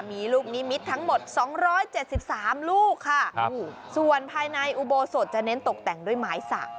มีลูกนิมิตรทั้งหมดสองร้อยเจ็ดสิบสามลูกค่ะครับส่วนภายในอุโบสดจะเน้นตกแต่งด้วยไม้สัก